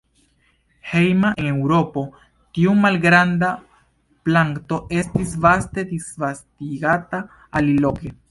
Hejma en Eŭropo, tiu malgranda planto estis vaste disvastigata aliloke.